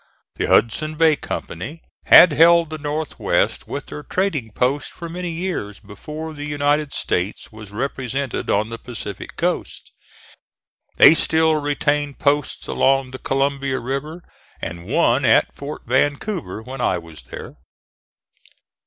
The Hudson's Bay Company had held the North west with their trading posts for many years before the United States was represented on the Pacific coast. They still retained posts along the Columbia River and one at Fort Vancouver, when I was there.